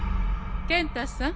健太さん！